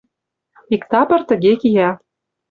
Иктапыр тыге кия.